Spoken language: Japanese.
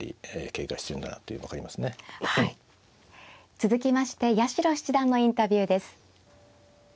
続きまして八代七段のインタビューです。